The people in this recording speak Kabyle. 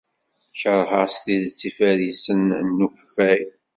Keṛheɣ s tidet ifarisen n ukeffay.